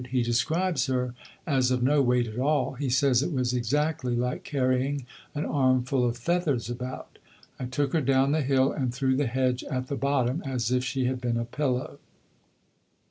He describes her as of no weight at all. He says it was "exactly like carrying an armful of feathers about." "I took her down the hill and through the hedge at the bottom as if she had been a pillow."